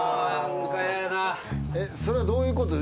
それはどういうこと？